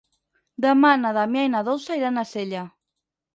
Demà na Damià i na Dolça iran a Sella.